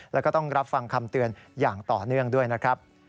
แล้วก็ต้องรับฟังคำเตือนอย่างต่อเนื่องด้วยนะครับ